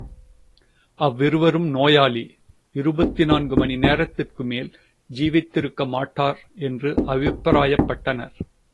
அவ்விருவரும் நோயாளி இருபத்து நான்கு மணி நேரத்திற்குமேல் ஜீவித்திருக்கமாட்டார் என்று அபிப்பிராயப்பட்டனர்.